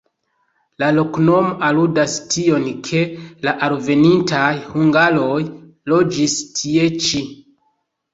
La loknomo aludas tion, ke la alvenintaj hungaroj loĝis tie ĉi.